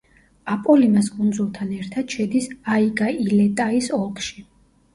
აპოლიმას კუნძულთან ერთად შედის აიგა-ი-ლე-ტაის ოლქში.